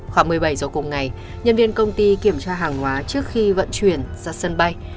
khoảng một mươi bảy h cùng ngày nhân viên công ty kiểm tra hàng hóa trước khi vận chuyển ra sân bay